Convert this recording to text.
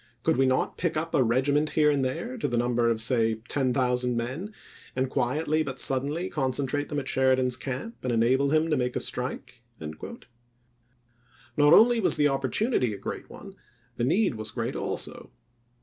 Could we not pick up a regiment here and there, to the number of say ten thousand men, and quietly but suddenly ^Grant*0 concentrate them at Sheridan's camp and enable ibjT*' ms. him to make a strike 1 " Not only was the oppor tunity a great one; the need was great also.